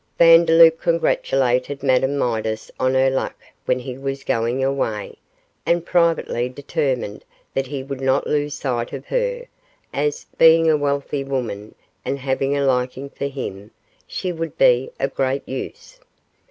Vandeloup congratulated Madame Midas on her luck when he was going away, and privately determined that he would not lose sight of her, as, being a wealthy woman, and having a liking for him, she would be of great use.